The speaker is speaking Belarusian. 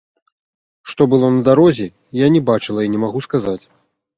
Што было на дарозе, я не бачыла і не магу сказаць.